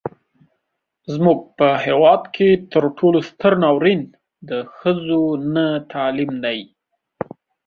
زموږ په هیواد کې تر ټولو ستر ناورين د ښځو نه تعليم دی.